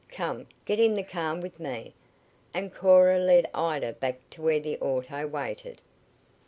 Come, get in the car with me," and Cora led Ida back to where the auto waited.